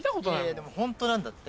でもホントなんだって。